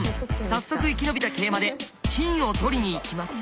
早速生き延びた桂馬で金を取りにいきます。